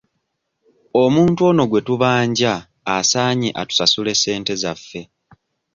Omuntu ono gwe tubanja asaanye atusasule ssente zaffe.